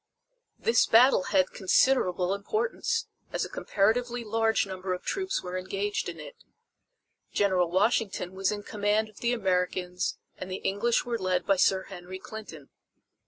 This battle had considerable importance, as a comparatively large number of troops were engaged in it. General Washington was in command of the Americans and the English were led by Sir Henry Clinton.